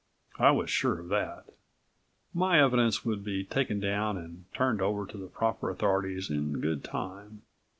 I was sure of that. My evidence would be taken down and turned over to the proper authorities in good time.